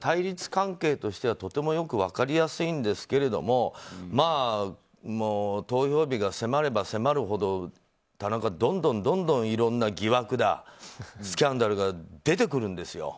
対立関係としてはとてもよく分かりやすいんですけど投票日が迫れば迫るほど田中、どんどんいろんな疑惑だスキャンダルが出てくるんですよ。